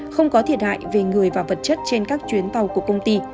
không có thiệt hại về người và vật chất trên các chuyến tàu của công ty